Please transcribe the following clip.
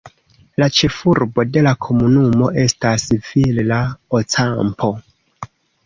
La ĉefurbo de la komunumo estas Villa Ocampo.